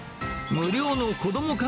無料の子ども